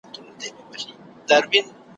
ځو به چي د شمعي پر لار تلل زده کړو `